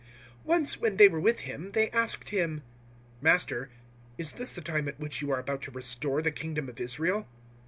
001:006 Once when they were with Him, they asked Him, "Master, is this the time at which you are about to restore the kingdom of Israel?"